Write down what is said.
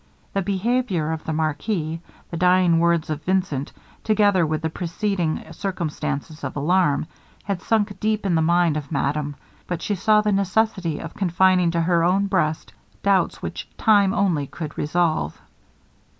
The behaviour of the marquis, the dying words of Vincent, together with the preceding circumstances of alarm, had sunk deep in the mind of madame, but she saw the necessity of confining to her own breast doubts which time only could resolve.